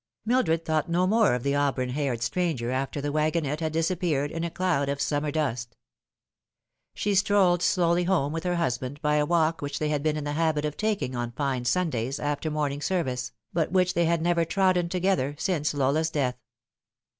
Mildred thought no more of the auburn haired stranger after the wagonette had disappeared in a cloud of summer dust. She strolled slowly home with her husband by a walk which they had been in the habit of taking on fine Sundays after morning service, but which they had never trodden together since Lola's death.